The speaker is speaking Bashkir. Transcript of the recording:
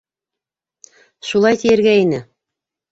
Шулай тиергә ине.